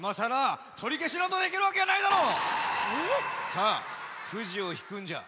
さあくじをひくんじゃ。